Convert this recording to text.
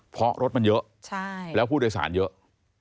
เพราะรถมันเยอะแล้วผู้โดยสารเยอะ